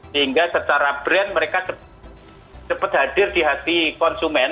sehingga secara brand mereka cepat hadir di hati konsumen